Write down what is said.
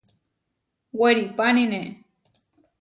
Weripánine.